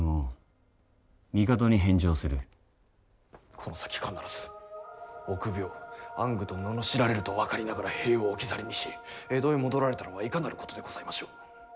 「この先必ず臆病暗愚と罵られると分かりながら兵を置き去りにし江戸へ戻られたのはいかなることでございましょう。